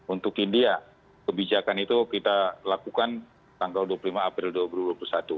untuk india kebijakan itu kita lakukan tanggal dua puluh lima april dua ribu dua puluh satu